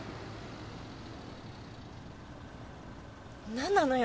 何なのよ？